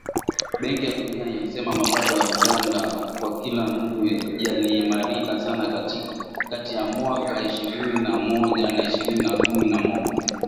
Benki ya Dunia ilisema mapato ya Uganda kwa kila mtu yaliimarika sana kati ya mwaka ishirini na moja na ishirini na kumi na moja